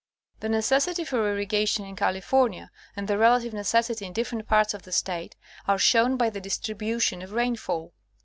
The necessity for irrigation in California, and the relative necessity in different parts of the State, are shown by the distri bution of rainfall.